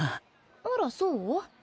あらそう？